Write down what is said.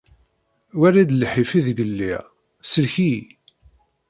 Wali-d lḥif ideg lliɣ, sellek-iyi.